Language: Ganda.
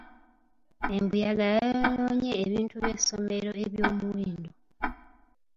Embuyaga yayonoonye ebintu by'essomero eby'omuwendo.